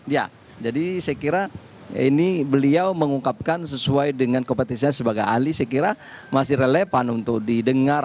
ya jadi saya kira ini beliau mengungkapkan sesuai dengan kompetisinya sebagai ahli saya kira masih relevan untuk didengar